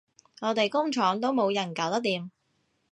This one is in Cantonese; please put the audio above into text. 我哋工廠都冇人搞得掂